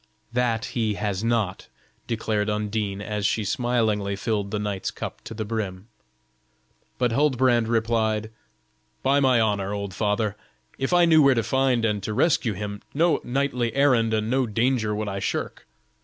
"That he has not," declared Undine, as she smilingly filled the knight's cup to the brim. But Huldbrand replied: "By my honor, old father, if I knew where to find and to rescue him, no knightly errand and no danger would I shirk.